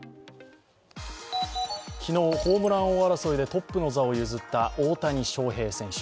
昨日、ホームラン王争いでトップの座を譲った大谷翔平選手。